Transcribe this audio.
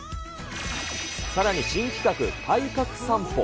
さらに新企画、体格さんぽ。